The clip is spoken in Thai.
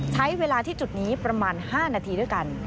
ใช้เวลาที่จุดนี้ประมาณ๕นาทีด้วยกัน